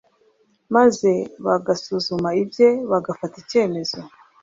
maze bagazusuma ibye, bagafata icyemezo.